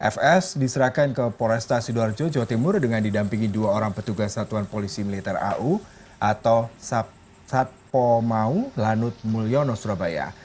fs diserahkan ke poresta sidoarjo jawa timur dengan didampingi dua orang petugas satuan polisi militer au atau satpo maung lanut mulyono surabaya